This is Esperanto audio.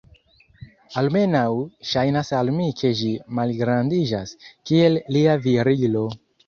Almenaŭ, ŝajnas al mi ke ĝi malgrandiĝas, kiel lia virilo.